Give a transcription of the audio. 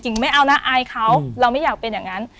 ไม่เอานะอายเขาเราไม่อยากเป็นอย่างนั้น